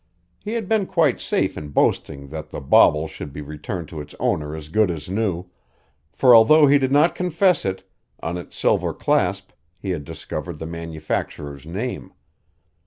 He had been quite safe in boasting that the bauble should be returned to its owner as good as new, for although he did not confess it, on its silver clasp he had discovered the manufacturer's name.